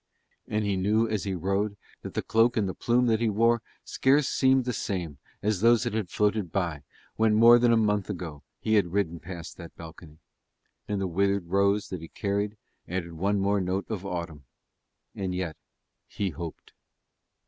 And he knew as he rode that the cloak and the plume that he wore scarce seemed the same as those that had floated by when more than a month ago he had ridden past that balcony; and the withered rose that he carried added one more note of autumn. And yet he hoped.